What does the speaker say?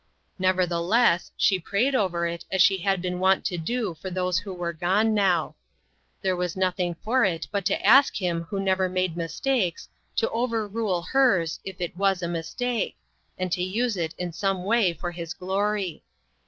Nevertheless, she prayed over it as she had been wont to do for those who were gone now. There was nothing for it but to ask Him who never made mis takes, to overrule hers, if it was a mistake, arid use it in some way for his glory.